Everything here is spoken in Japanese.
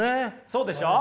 そうでしょう？